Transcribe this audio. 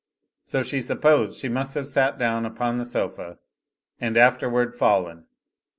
So she supposed she must have sat down upon the sofa and afterward fallen.